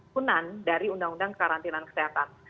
punan dari undang undang karantina kesehatan